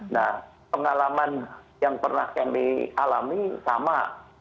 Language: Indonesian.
nah pengalaman yang pernah kami alami sama